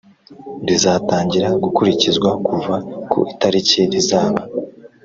Rizatangira gukurikizwa kuva ku itariki rizaba